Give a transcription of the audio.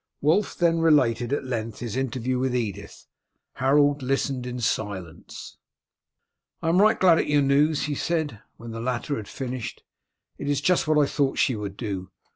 Wulf then related at length his interview with Edith. Harold listened in silence. "I am right glad at your news," he said, when the latter had finished. "It is just what I thought she would do.